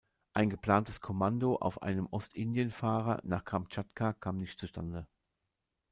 Ein geplantes Kommando auf einem Ostindienfahrer nach Kamtschatka kam nicht zustande.